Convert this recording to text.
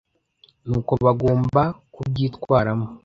nuko bagomba ku byitwaramo.